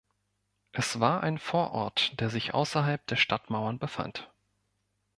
Es war ein Vorort, der sich außerhalb der Stadtmauern befand.